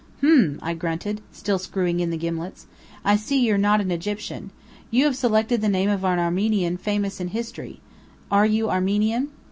"H'm," I grunted, still screwing in the gimlets. "I see you're not an Egyptian. You have selected the name of an Armenian famous in history. Are you Armenian?"